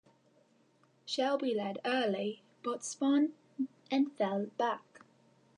Shelby led early but spun and fell back.